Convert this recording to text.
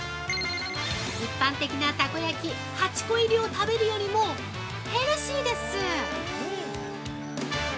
一般的なたこ焼き８個入りを食べるよりもヘルシーです！